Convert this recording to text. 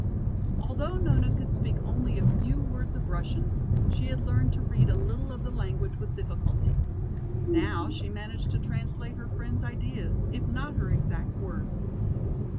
Although Nona could speak only a few words of Russian, she had learned to read a little of the language with difficulty. Now she managed to translate her friend's ideas, if not her exact words.